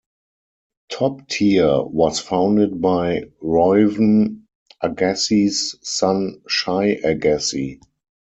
TopTier was founded by Reuven Agassi's son Shai Agassi.